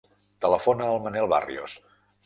Telefona al Manel Barrios.